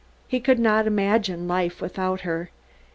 He could not imagine life without her.